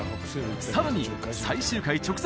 さらに最終回直前！